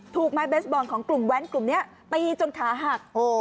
ถูกไม้เบสบอลของกลุ่มแว้นกลุ่มนี้ตีจนขาหัก